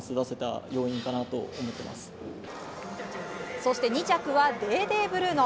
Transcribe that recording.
そして２着はデーデー・ブルーノ。